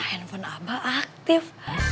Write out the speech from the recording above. ah handphone abah aktif